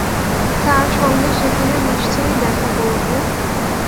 তার সঙ্গে সেখানে নিশ্চয়ই দেখা করব।